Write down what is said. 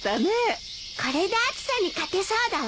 これで暑さに勝てそうだわ。